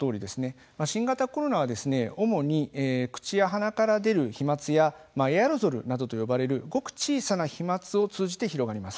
新型コロナは主に口や鼻から出る飛まつやエアロゾルなどと呼ばれるごく小さな飛まつを通じて広がります。